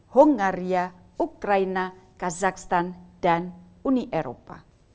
hongaria ukraina kazakhstan dan uni eropa